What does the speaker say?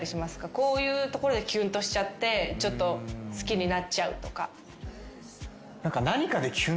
こういうところでキュンとしちゃってちょっと好きになっちゃうとか。